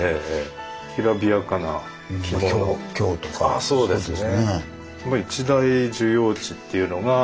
あそうですね。